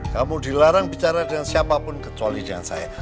kamu dilarang bicara kepada siapa pun kecuali dengan saya